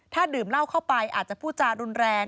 ถ้าดื่มเหล้าเข้าไปอาจจะพูดจารุนแรง